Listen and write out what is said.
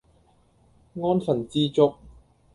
安分知足